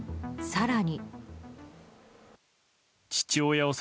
更に。